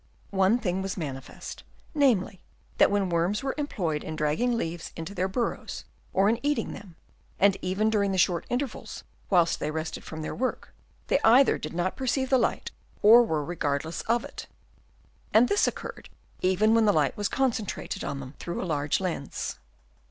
One thing was manifest, namely, that when worms were employed in dragging leaves into their burrows or in eating them, and even during the short intervals whilst they rested from their work, they either did not perceive the light or were regardless of it ; and this occurred even when the light was concentrated on them through a large lens.